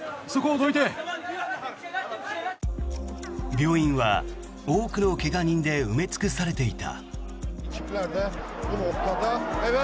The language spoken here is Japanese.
病院は多くの怪我人で埋め尽くされていた。